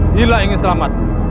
bila ingin selamat